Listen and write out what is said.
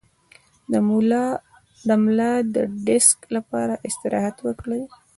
د ملا د ډیسک لپاره استراحت وکړئ